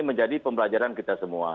menjadi pembelajaran kita semua